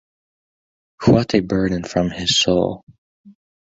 What a burden from his soul.